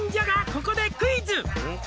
ここでクイズ！」